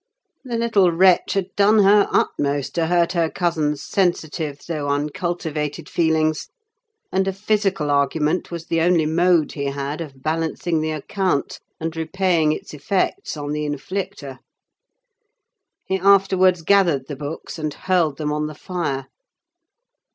The little wretch had done her utmost to hurt her cousin's sensitive though uncultivated feelings, and a physical argument was the only mode he had of balancing the account, and repaying its effects on the inflictor. He afterwards gathered the books and hurled them on the fire.